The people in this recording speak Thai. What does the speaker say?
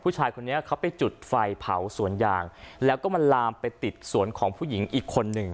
ผู้ชายคนนี้เขาไปจุดไฟเผาสวนยางแล้วก็มันลามไปติดสวนของผู้หญิงอีกคนหนึ่ง